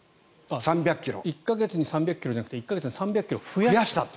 １か月に３００ｋｍじゃなくて１か月に３００ｋｍ増やした。